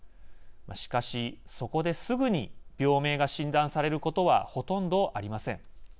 しかし、そこですぐに病名が診断されることはほとんどありません。